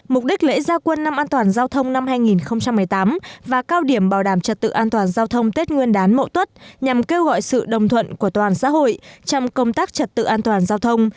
mục đích lễ gia quân năm an toàn giao thông năm hai nghìn một mươi tám và cao điểm bảo đảm trật tự an toàn giao thông tết nguyên đán mậu tuất nhằm kêu gọi sự đồng thuận của toàn xã hội trong công tác trật tự an toàn giao thông